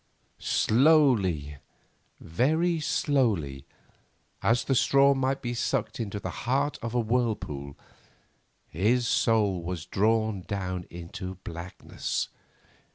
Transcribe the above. Slowly, very slowly, as the straw might be sucked into the heart of a whirlpool, his soul was drawn down into blackness.